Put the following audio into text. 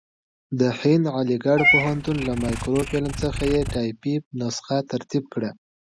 د هند د علیګړ پوهنتون له مایکروفیلم څخه یې ټایپي نسخه ترتیب کړه.